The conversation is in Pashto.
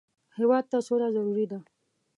هېواد ته سوله ضروري ده